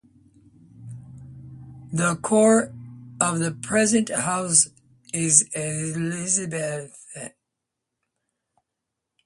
The core of the present house is Elizabethan.